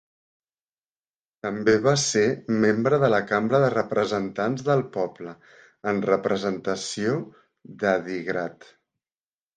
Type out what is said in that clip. També va ser membre de la Cambra de Representants del Poble, en representació d'Adigrat.